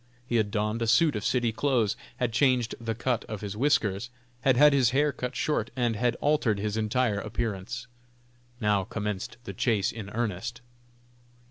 He had donned a suit of city clothes, had changed the cut of his whiskers, had had his hair cut short, and had altered his entire appearance. Now commenced the chase in earnest.